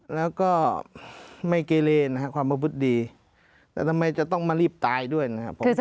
แล้วก็ไม่เกเลนะครับความประพฤติดีแต่ทำไมจะต้องมารีบตายด้วยนะครับ